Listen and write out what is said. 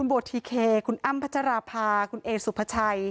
แล้วมันกลายเป็นข่าว